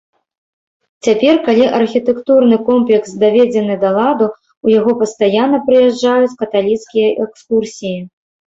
Цяпер, калі архітэктурны комплекс даведзены да ладу, у яго пастаянна прыязджаюць каталіцкія экскурсіі.